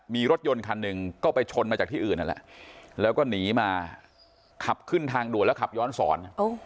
มีรถยนต์คันหนึ่งก็ไปชนมาจากที่อื่นนั่นแหละแล้วก็หนีมาขับขึ้นทางด่วนแล้วขับย้อนสอน